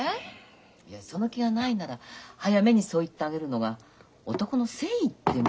いやその気がないなら早めにそう言ってあげるのが男の誠意ってもんだと思うよ。